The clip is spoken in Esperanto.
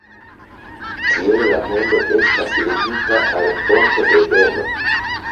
Tiel la mondo estas levita al fonto de beno.